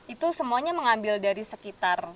itu semuanya mengambil dari sekitar